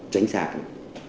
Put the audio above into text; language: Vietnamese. tránh xa nó